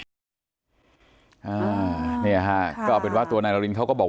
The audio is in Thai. อ่าเนี่ยฮะก็เป็นว่าตัวนัยร้อนดรีนเขาก็บอก